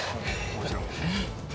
もちろん。